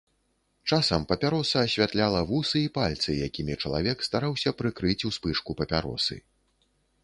Часам папяроса асвятляла вусы і пальцы, якімі чалавек стараўся прыкрыць успышку папяросы.